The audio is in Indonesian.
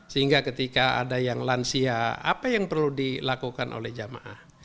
sehingga ketika ada yang lansia apa yang perlu dilakukan oleh jamaah